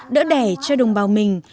đỡ đẻ cho đồng bào mình